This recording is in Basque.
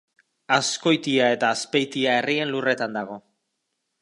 Azkoitia eta Azpeitia herrien lurretan dago.